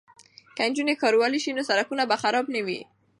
که نجونې ښاروالې شي نو سړکونه به خراب نه وي.